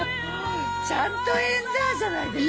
ちゃんと「エンダァ」じゃないですか！